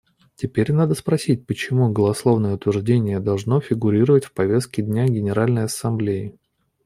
Теперь надо спросить, почему голословное утверждение должно фигурировать в повестке дня Генеральной Ассамблеи.